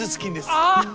ああ！